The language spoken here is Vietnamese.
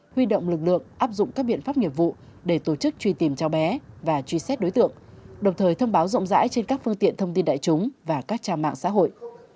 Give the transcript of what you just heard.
huy động lực lượng áp dụng các biện pháp nghiệp vụ để tổ chức truy tìm cháu bé và truy xét đối tượng đồng thời thông báo rộng rãi trên các phương tiện thông tin đại chúng và các trang mạng xã hội